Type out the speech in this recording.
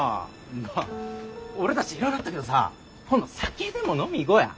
まっ俺たちいろいろあったけどさ今度酒でも飲み行こうや。